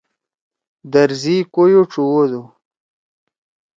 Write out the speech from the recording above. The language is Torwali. درزی کویو ڇُوَدُو۔